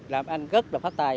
làm anh rất là phát tài